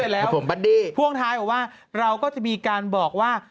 เสร็จแล้วพรุ่งท้ายก็ว่าเราก็จะมีการบอกว่า